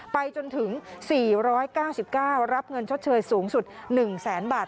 ไปจนถึง๔๙๙รับเงินชดเชยสูงสุด๑แสนบาท